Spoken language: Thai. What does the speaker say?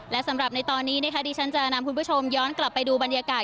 และสำหรับในตอนนี้นะคะดิฉันจะนำคุณผู้ชมย้อนกลับไปดูบรรยากาศ